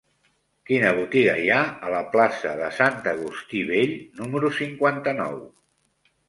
Quina botiga hi ha a la plaça de Sant Agustí Vell número cinquanta-nou?